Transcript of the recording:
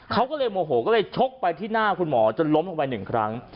เขาก็เลยโมโหก็เลยชกไปที่หน้าคุณหมอจนล้มลงไปหนึ่งครั้ง